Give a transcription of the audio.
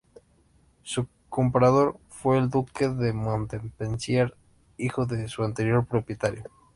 Su comprador fue el duque de Montpensier, hijo de su anterior propietario.